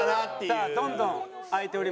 さあどんどん開いております。